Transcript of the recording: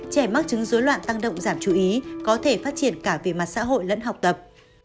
trẻ mắc chứng dối loạn tăng động giảm chú ý có thể phát triển cả về mặt xã hội lẫn học tập